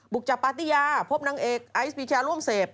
บุกจับปาร์ตี้ยาพบนางเอกอายุสปีชายาร่วมเสพ